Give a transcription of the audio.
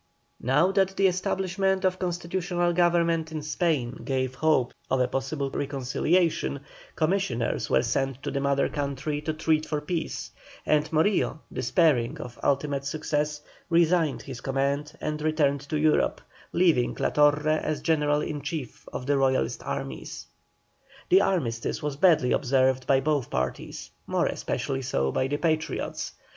Now that the establishment of constitutional government in Spain gave hopes of a possible reconciliation, commissioners were sent to the mother country to treat for peace, and Morillo, despairing of ultimate success, resigned his command and returned to Europe, leaving La Torre as General in Chief of the Royalist armies. The armistice was badly observed by both parties, more especially so by the Patriots.